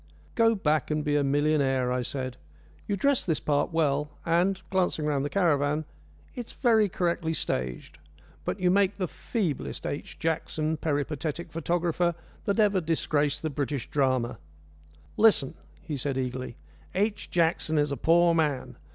"Go back and be a millionaire," I said. "You dress this part well, and" glancing round the caravan "it's very correctly staged; but you make the feeblest H. Jackson, peripatetic photographer, that ever disgraced the British drama." "Listen," he said eagerly. "H. Jackson is a poor man.